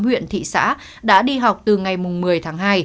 một mươi tám huyện thị xã đã đi học từ ngày một mươi tháng hai